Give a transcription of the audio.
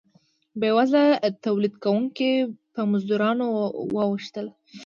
بیوزله تولید کوونکي په مزدورانو واوښتل.